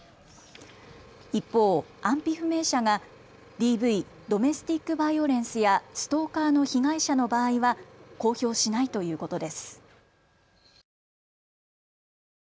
一方、安否不明者がＤＶ・ドメスティック・バイオレンスやストーカーの被害者の場合は公表しないということです。